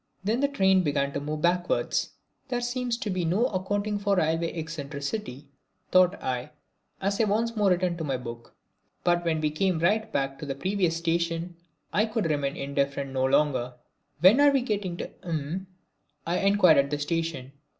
Then the train began to move backwards. There seems to be no accounting for railway eccentricity, thought I as I once more returned to my book. But when we came right back to the previous station, I could remain indifferent no longer. "When are we getting to " I inquired at the station.